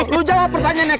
lu jawab pertanyaannya